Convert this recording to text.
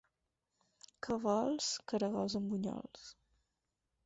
Què vols? / —Caragols amb bunyols.